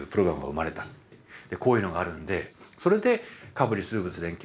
こういうのがあるんでそれでカブリ数物連携